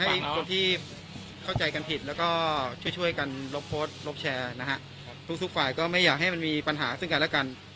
คนที่เข้าใจกันผิดแล้วก็ช่วยกันลบโพสต์ลบแชร์นะฮะทุกฝ่ายก็ไม่อยากให้มันมีปัญหาซึ่งกันและกัน